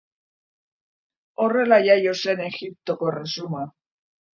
Horrela jaio zen Egiptoko Erresuma.